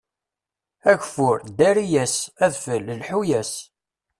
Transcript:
Ageffur, ddari-yas; adfel, lḥu-yas.